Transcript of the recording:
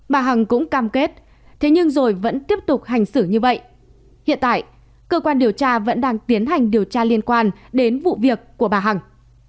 bà hằng cũng cam kết thế nhưng rồi vẫn tiếp tục hành xử như vậy hiện tại cơ quan điều tra vẫn đang tiến hành điều tra liên quan đến vụ việc của bà hằng